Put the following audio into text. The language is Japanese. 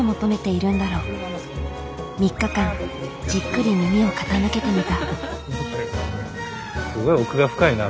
３日間じっくり耳を傾けてみた。